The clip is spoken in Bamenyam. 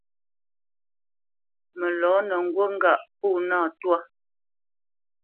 Mə lɔ̌nə ŋgút ŋgâʼ pó nâ twá.